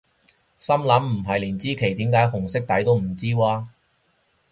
心諗唔係連支旗點解紅色底都唔知咓？